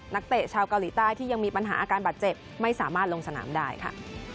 เตะชาวเกาหลีใต้ที่ยังมีปัญหาอาการบาดเจ็บไม่สามารถลงสนามได้ค่ะ